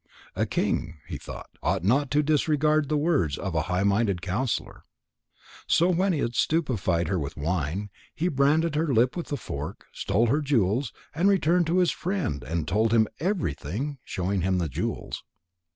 "A king," he thought, "ought not to disregard the words of a high minded counsellor." So when he had stupefied her with wine, he branded her hip with the fork, stole her jewels, returned to his friend, and told him everything, showing him the jewels.